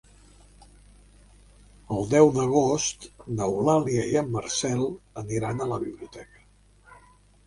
El deu d'agost n'Eulàlia i en Marcel aniran a la biblioteca.